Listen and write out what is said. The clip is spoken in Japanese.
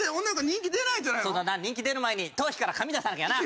人気出る前に頭皮から髪出さなきゃな。